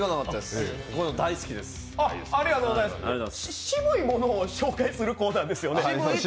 シブいものを紹介するコーナーですよね。